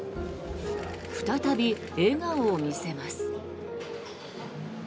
再び、笑顔を見せます。